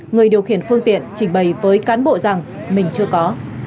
người điều khiển phương tiện trình bày với cán bộ rằng mình chưa có